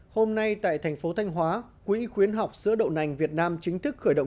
hôm nay tại thành phố thanh hóa quỹ khuyến học sữa đậu nành việt nam chính thức khởi động